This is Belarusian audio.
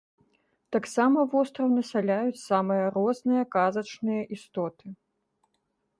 Таксама востраў насяляюць самыя розныя казачныя істоты.